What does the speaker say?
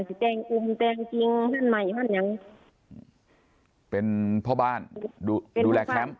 สิ้นแจงอุ้มแจงจิงฮั่นไหม่ฮั่นยังเป็นพ่อบ้านดูดูแลแคมป์